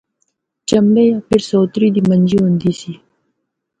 چمبے یا پھر سوتری دی منجی ہوندی سی۔